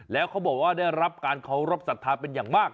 แล้วเขาบอกว่าได้รับการเคารพสัทธาเป็นอย่างมาก